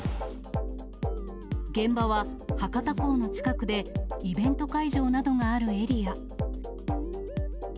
現場は、博多港の近くでイベント会場などがあるエリア。